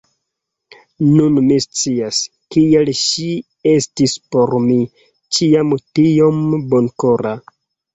Nun mi scias, kial ŝi estis por mi ĉiam tiom bonkora.